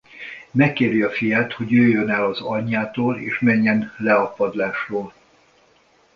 Megkéri a fiát hogy jöjjön el az anyjától és menjen le a padlásról.